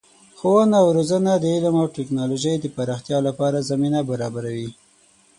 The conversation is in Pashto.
ښوونه او روزنه د علم او تکنالوژۍ د پراختیا لپاره زمینه برابروي.